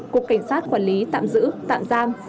cục cảnh sát quản lý tạm giữ tạm giam